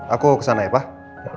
aku kesana ya pak